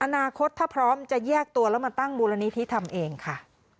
อนาคตถ้าพร้อมจะแยกตัวแล้วมาตั้งมูลนิธิทำเองค่ะ